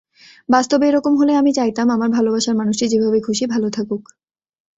বাস্তবে এরকম হলে আমি চাইতাম, আমার ভালোবাসার মানুষটি যেভাবে খুশি ভালো থাকুক।